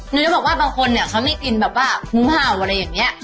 หนูจะบอกว่าบางคนเนี่ยเขามีกลิ่นแบบว่าหมูเห่าอะไรอย่างนี้